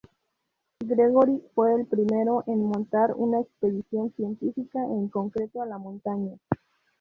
Gregory fue el primero en montar una expedición científica en concreto a la montaña.